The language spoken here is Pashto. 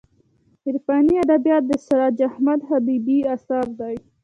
عرفاني ادبیات د سراج احمد حبیبي اثر دی.